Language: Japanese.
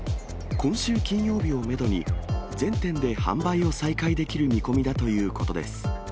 今週金曜日をメドに、全店で販売を再開できる見込みだということです。